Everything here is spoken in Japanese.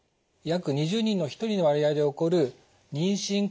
約２０人に１人の割合で起こる妊娠